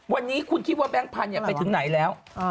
วันนี้คุณคิดว่าแบงค์พันธุ์ไปถึงไหนแล้ว